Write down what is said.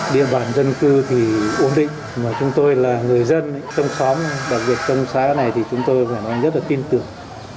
địa bản dân cư thì ổn định mà chúng tôi là người dân trong xóm đặc biệt trong xã này thì chúng tôi phải nói rất là tin tưởng